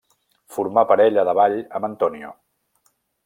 Formà parella de ball amb Antonio.